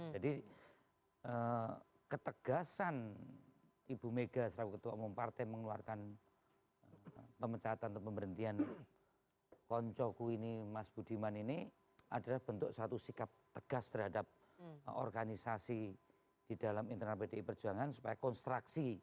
jadi ketegasan ibu mega sebagai ketua umum partai mengeluarkan pemecatan atau pemberhentian konco ini mas budiman ini adalah bentuk satu sikap tegas terhadap organisasi di dalam internal pdi perjuangan supaya konstruksi